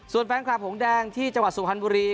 ส่วนแฟนคลับหงแดงที่จังหวัดสุพรรณบุรี